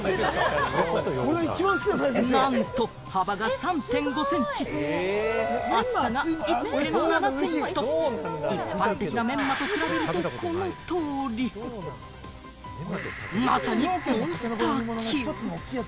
なんと幅が３．５センチ、厚さが１．７センチと、一般的なめんまと比べると、この通り！まさにモンスター級。